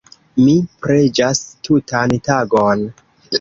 Mi preĝas tutan tagon.